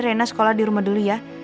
rena sekolah di rumah dulu ya